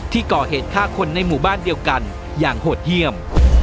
ที่ก่อเหตุฆ่าคนในหมู่บ้านเดียวกันอย่างโหดเยี่ยม